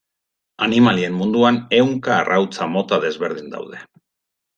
Animalien munduan ehunka arrautza mota desberdin daude.